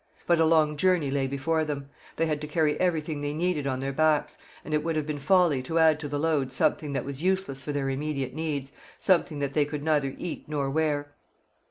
But a long journey lay before them. They had to carry everything they needed on their backs, and it would have been folly to add to the load something that was useless for their immediate needs, something that they could neither eat nor wear.